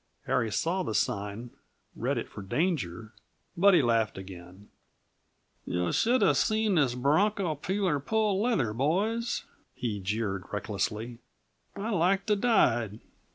Harry saw the sign, read it for danger; but he laughed again. "Yuh ought to have seen this bronco peeler pull leather, boys," he jeered recklessly "I like to 'a' died.